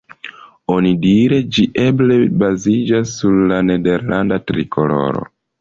Onidire, ĝi eble baziĝas sur la nederlanda trikoloro.